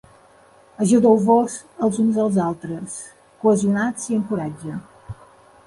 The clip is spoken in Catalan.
Ajudeu-vos els uns als altres, cohesionats i amb coratge.